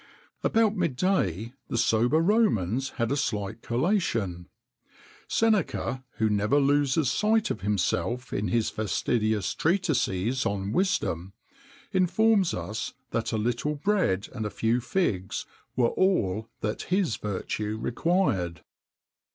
About mid day[XXIX 45] the sober Romans had a slight collation.[XXIX 46] Seneca, who never loses sight of himself in his fastidious treatises on wisdom, informs us that a little bread and a few figs were all that his virtue required.